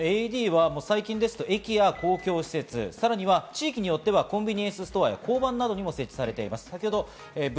ＡＥＤは最近ですと、駅や公共施設、さらには地域によってはコンビニエンスストアや交番などにも設置されています。